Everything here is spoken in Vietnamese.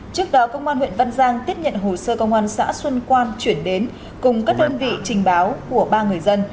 trước đó công an huyện văn giang tiếp nhận hồ sơ công an xã xuân quan chuyển đến cùng các đơn vị trình báo của ba người dân